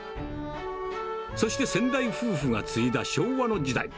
そして先代夫婦が継いだ昭和の時代。